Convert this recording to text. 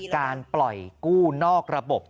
การปล่อยกู้นอกระบบ